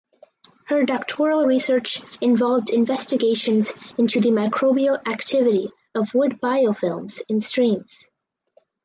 Her doctoral research involved investigations into the microbial activity of wood biofilms in streams.